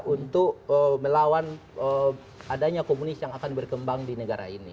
untuk melawan adanya komunis yang akan berkembang di negara ini